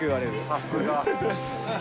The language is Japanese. さすが。